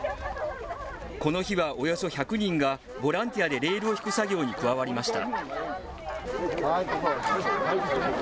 この日はおよそ１００人がボランティアでレールを引く作業に加わりました。